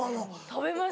食べます。